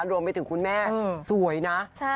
รวมไปถึงคุณแม่สวยนะ